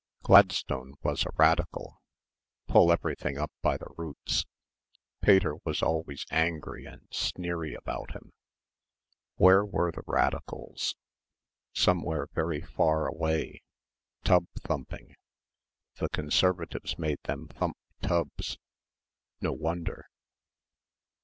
Gladstone was a Radical ... "pull everything up by the roots." ... Pater was always angry and sneery about him.... Where were the Radicals? Somewhere very far away ... tub thumping ... the Conservatives made them thump tubs ... no wonder.